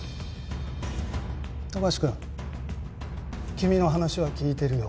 富樫くん君の話は聞いてるよ。